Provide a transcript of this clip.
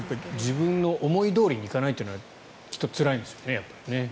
自分の思いどおりにいかないのはきっとつらいんでしょうね。